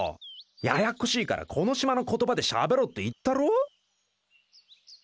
ややっこしいからこの島の言葉でしゃべろって言ったろ？